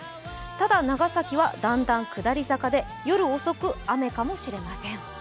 ただ、長崎はだんだん下り坂で夜遅く、雨かもしれません。